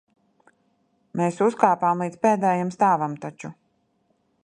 Mēs uzkāpām līdz pēdējam stāvam taču.